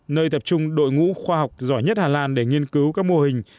nơi tập trung đội ngũ khoa học giỏi nhất hà lan để nghiên cứu các mô hình